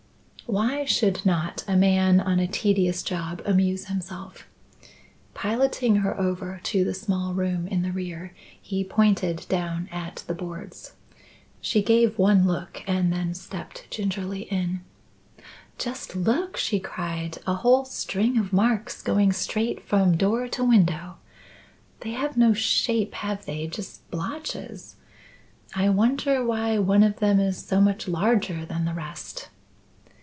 Why should not a man on a tedious job amuse himself? Piloting her over to the small room in the rear, he pointed down at the boards. She gave one look and then stepped gingerly in. "Just look!" she cried; "a whole string of marks going straight from door to window. They have no shape, have they, just blotches? I wonder why one of them is so much larger than the rest?"